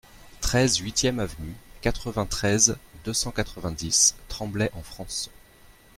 treize huitième Avenue, quatre-vingt-treize, deux cent quatre-vingt-dix, Tremblay-en-France